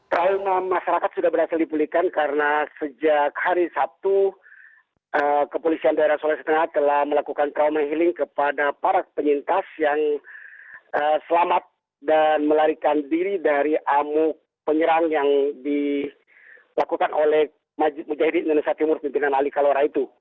trauma masyarakat sudah berhasil dipulihkan karena sejak hari sabtu kepolisian daerah sulawesi tengah telah melakukan trauma healing kepada para penyintas yang selamat dan melarikan diri dari amuk penyerang yang dilakukan oleh majid mujahidin indonesia timur pimpinan alikalora itu